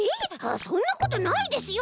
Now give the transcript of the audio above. そんなことないですよ！